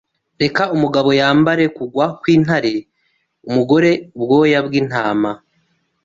Reka umugabo yambare kugwa kwintare, umugore ubwoya bwintama